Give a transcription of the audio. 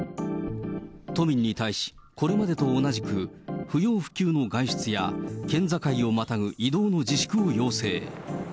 都民に対し、これまでと同じく不要不急の外出や、県境をまたぐ移動の自粛を要請。